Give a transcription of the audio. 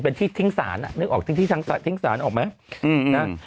เป็นที่ทิ้งศาลนึกออกทิ้งสารออกไหม